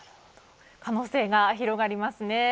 可能性が広がりますね。